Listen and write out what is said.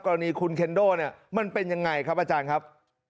กรณีคุณเค็นโด่มันเป็นอย่างไรครับอาจารย์ครับ